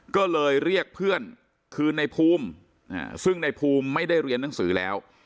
ก็เลยเรียกเพื่อนคือในภูมิซึ่งในภูมิไม่ได้เรียนหนังสือแล้ว